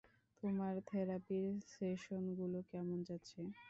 তোমার থেরাপির সেশনগুলো কেমন যাচ্ছে?